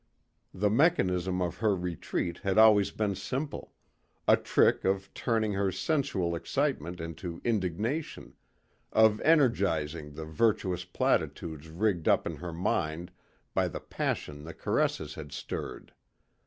The mechanism of her retreat had always been simple a trick of turning her sensual excitement into indignation, of energizing the virtuous platitudes rigged up in her mind by the passion the caresses had stirred.